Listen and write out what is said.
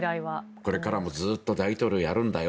これからもずっと大統領をやるんだよ